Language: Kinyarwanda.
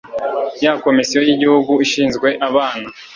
ya komisiyo y igihugu ishinzwe abana